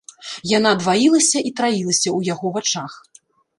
Яна дваілася і траілася ў яго вачах.